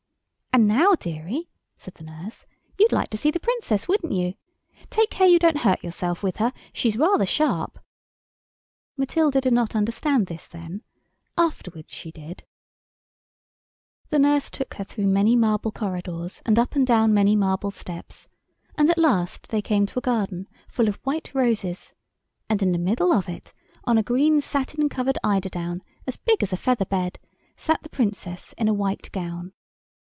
"And now, dearie," said the nurse, "you'd like to see the Princess, wouldn't you? Take care you don't hurt yourself with her. She's rather sharp." Matilda did not understand this then. Afterwards she did. [Illustration: THE PRINCESS WAS LIKE A YARD AND A HALF OF WHITE TAPE.] The nurse took her through many marble corridors and up and down many marble steps, and at last they came to a garden full of white roses, and in the middle of it, on a green satin covered eiderdown, as big as a feather bed, sat the Princess in a white gown.